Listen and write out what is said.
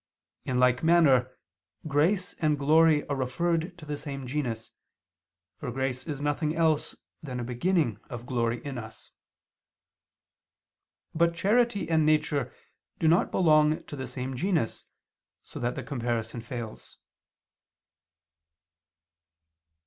In like manner grace and glory are referred to the same genus, for grace is nothing else than a beginning of glory in us. But charity and nature do not belong to the same genus, so that the comparison fails.